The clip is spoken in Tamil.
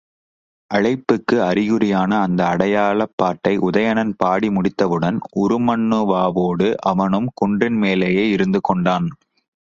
அழைப்புக்கு அறிகுறியான அந்த அடையாளப் பாட்டை உதயணன் பாடி முடித்தவுடன் உருமண்ணுவாவோடு அவனும் குன்றின் மேலேயே இருந்து கொண்டான்.